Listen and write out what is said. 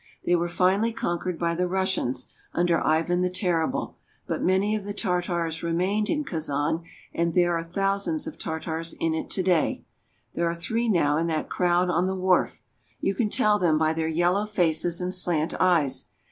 They were finally conquered by the Russians, under Ivan the Terrible, but many of the Tartars remained in Kazan, and there are thousands of Tartars in it to day. There are three now in that crowd on the wharf ! You can tell them by their yellow faces and slant eyes.